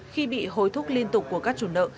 khi bị hối thúc liên tục của các chủ nợ